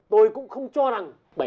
tôi cũng không cho rằng bảy ba